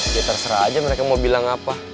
ya terserah aja mereka mau bilang apa